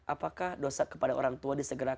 apakah dosa kepada orang tua disegerakan